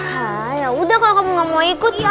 hah yaudah kalau kamu gak mau ikut